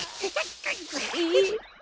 えっ？